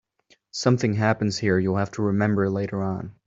Something happens here you'll have to remember later on.